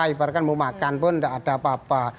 ibaratkan mau makan pun tidak ada apa apa